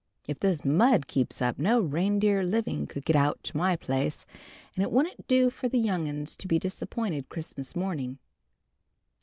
If this mud keeps up, no reindeer living could get out to my place, and it wouldn't do for the young'uns to be disappointed Christmas morning."